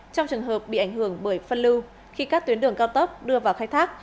trong trường hợp bị ảnh hưởng bởi phân lưu khi các tuyến đường cao tốc đưa vào khai thác